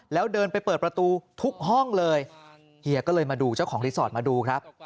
แล้วเดินไปเปิดประตูทุกห้องเลยเฮียก็เลยมาดูเจ้าของรีสอร์ทมาดูครับ